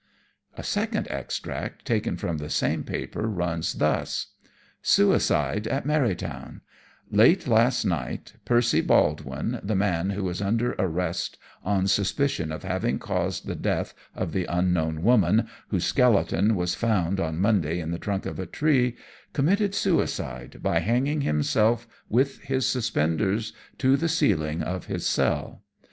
A second extract taken from the same paper runs thus: "Suicide at Marytown "Late last night Percy Baldwin, the man who is under arrest on suspicion of having caused the death of the unknown woman, whose skeleton was found on Monday in the trunk of a tree, committed suicide by hanging himself with his suspenders to the ceiling of his cell.